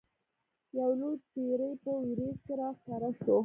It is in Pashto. یو لوی پیری په وریځ کې را ښکاره شو.